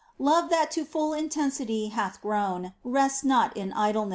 Love that to full intensity hath grown Rests not in idleness.